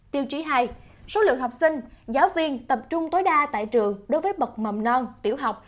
tiêu chí hai số lượng học sinh giáo viên tập trung tối đa tại trường đối với bậc mầm non tiểu học